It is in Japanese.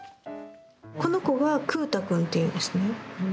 この子はくぅた君っていうんですね。